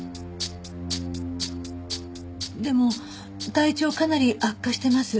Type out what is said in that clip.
でも体調かなり悪化してます。